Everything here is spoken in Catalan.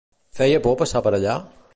Feia por passar per allà?